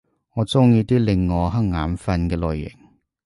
我鍾意啲令我瞌眼瞓嘅類型